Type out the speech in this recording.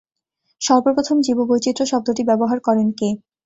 সর্বপ্রথম জীববৈচিত্র্য শব্দটি ব্যবহার করেন কে?